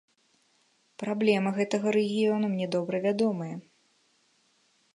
Праблемы гэтага рэгіёна мне добра вядомыя.